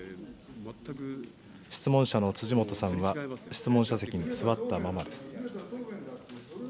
質問者の辻元さんは、質問者席に座ったままです。